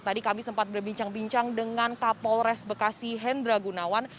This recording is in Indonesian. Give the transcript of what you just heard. tadi kami sempat berbincang bincang dengan kapolres bekasi hendra gunawan